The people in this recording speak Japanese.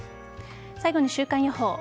最後に週間予報。